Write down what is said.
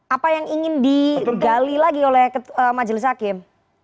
apa yang ingin di gali lagi oleh majelis hakim